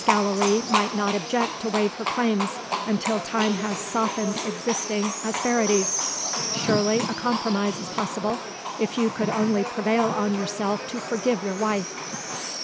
Gallilee might not object to waive her claims, until time has softened existing asperities. Surely, a compromise is possible, if you could only prevail on yourself to forgive your wife."